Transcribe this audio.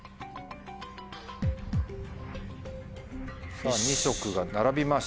さぁ２色が並びました。